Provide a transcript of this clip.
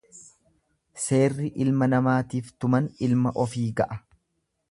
Seerri ilma namaatiif tuman ilma ofii ga'a.